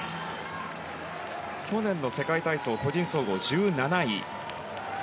去年の世界体操個人総合１７位。